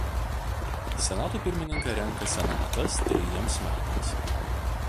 Senato pirmininką renka senatas trejiems metams.